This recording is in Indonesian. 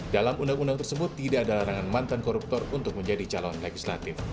dalam undang undang tersebut tidak ada larangan mantan koruptor untuk menjadi calon legislatif